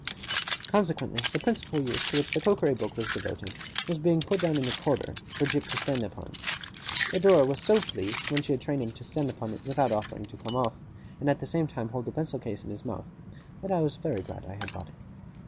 Consequently, the principal use to which the cookery book was devoted, was being put down in the corner for Jip to stand upon. But Dora was so pleased, when she had trained him to stand upon it without offering to come off, and at the same time to hold the pencil case in his mouth, that I was very glad I had bought it.